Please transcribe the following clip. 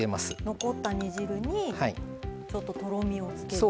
残った煮汁にちょっととろみをつける。